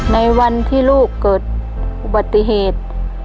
ในวันที่ลูกเกิดอุบัติเหตุ